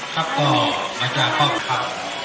จากพี่อาจารย์ภพครับ